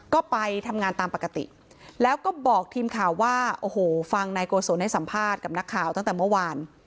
ก็ไปทำงานตามปกติแล้วก็บอกทีมข่าวว่าโอ้โหฟังนายโกศลให้สัมภาษณ์กับนักข่าวตั้งแต่เมื่อวาน